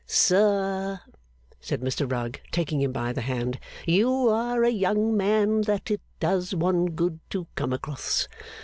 'Sir,' said Mr Rugg, taking him by the hand, 'you are a young man that it does one good to come across.